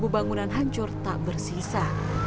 bangunan hancur tak bersisa